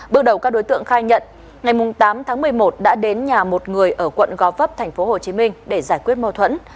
bước đầu các đối tượng khai nhận ngày tám tháng một mươi một đã đến nhà một người ở quận gò vấp tp hcm để giải quyết mâu thuẫn